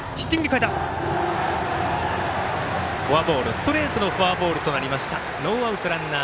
ストレートのフォアボールとなりました。